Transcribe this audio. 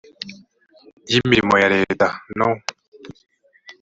y imirimo ya leta no